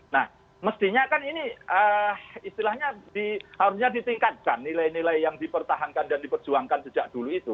nah mestinya kan ini istilahnya harusnya ditingkatkan nilai nilai yang dipertahankan dan diperjuangkan sejak dulu itu